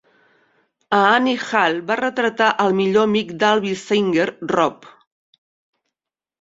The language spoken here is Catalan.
A "Annie Hall", va retratar el millor amic d'Alvy Singer, Rob.